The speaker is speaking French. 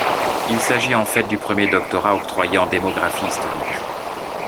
Il s'agit en fait du premier doctorat octroyé en démographie historique.